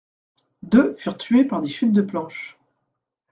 Deux furent tués par des chutes de planches.